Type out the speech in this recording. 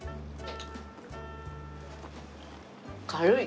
軽い！